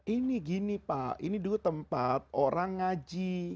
ini gini pak ini dulu tempat orang ngaji